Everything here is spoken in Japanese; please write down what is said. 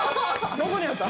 どこにあった？